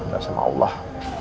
kita sama allah